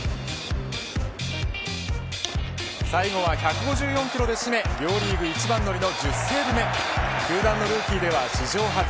最後は１５４キロで締め両リーグ一番乗りの１０セーブ目球団のルーキーでは史上初。